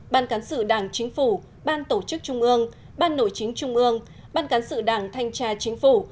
ban cán sự đảng chính phủ ban tổ chức trung ương ban nội chính trung ương ban cán sự đảng thanh tra chính phủ